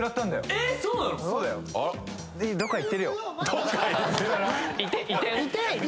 えっ！